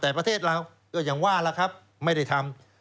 แต่ประเทศเราก็อย่างว่าล่ะครับไม่ได้ทำ